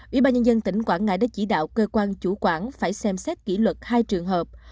ubnd tỉnh quảng ngãi đã chỉ đạo cơ quan chủ quản phải xem xét kỷ luật hai trường hợp